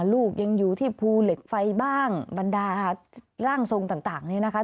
ลูกยังอยู่ที่ภูเหล็กไฟบ้างบรรดาร่างทรงต่างนี้นะคะ